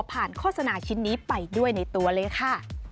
โฆษณาชิ้นนี้ไปด้วยในตัวเลยค่ะ